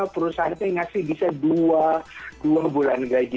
perusahaan itu yang ngasih bisa dua bulan gaji